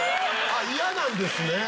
あっ嫌なんですね。